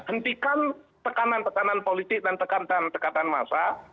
hentikan tekanan tekanan politik dan tekanan tekanan massa